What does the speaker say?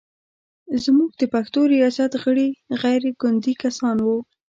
زموږ د پښتو ریاست غړي غیر ګوندي کسان و.